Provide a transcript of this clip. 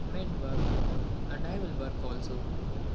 "Men work, and I will work also."